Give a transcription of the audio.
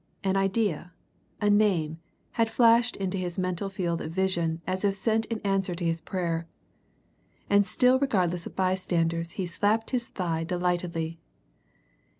An idea, a name, had flashed into his mental field of vision as if sent in answer to his prayer. And still regardless of bystanders he slapped his thigh delightedly.